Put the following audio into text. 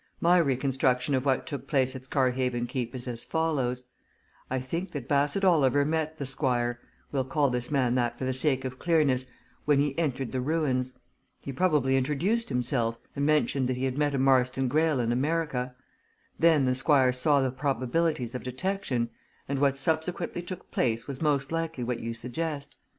My reconstruction of what took place at Scarhaven Keep is as follows I think that Bassett Oliver met the Squire we'll call this man that for the sake of clearness when he entered the ruins. He probably introduced himself and mentioned that he had met a Marston Greyle in America. Then the Squire saw the probabilities of detection and what subsequently took place was most likely what you suggest.